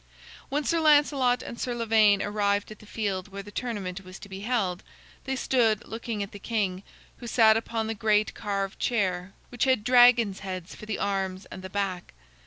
When Sir Lancelot and Sir Lavaine arrived at the field where the tournament was to be held, they stood looking at the king, who sat upon the great carved chair which had dragons' heads for the arms and the back.